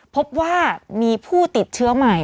พบว่ามีผู้ติดเชื้อใหม่